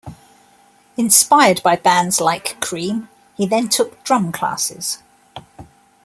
Inspired by bands like Cream, he then took drum classes.